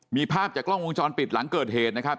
มีภาพจากกล้องวงจรปิดหลังเกิดเหตุนะครับ